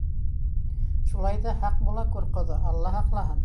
Шулай ҙа һаҡ була күр, ҡоҙа, алла һаҡлаһын.